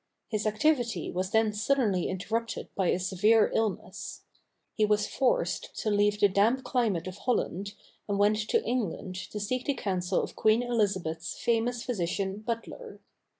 His activity was then suddenly interrupted by a severe illness. He was forced to leave the damp climate of Holland, and went to England to seek the counsel of Queen Elizabeth's famous physician Butler.